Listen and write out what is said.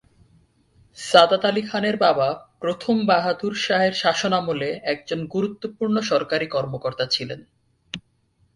সাদাত আলি খানের বাবা প্রথম বাহাদুর শাহের শাসনামলে একজন গুরুত্বপূর্ণ সরকারি কর্মকর্তা ছিলেন।